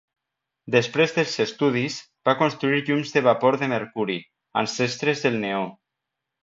Després dels estudis, va construir llums de vapor de mercuri, ancestres del neó.